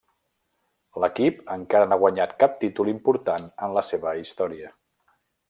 L'equip encara no ha guanyat cap títol important de la seva història.